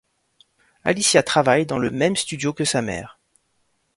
Alicia travaille dans le même studio que sa mère.